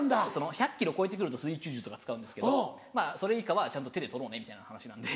１００ｋｇ超えて来ると水中銃とか使うんですけどそれ以下はちゃんと手で捕ろうねみたいな話なんで。